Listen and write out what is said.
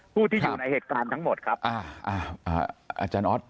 ผู้ที่อยู่ในเหตุการณ์ทั้งหมดครับอ่าอาจารย์ออส